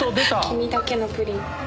「きみだけのプリン」。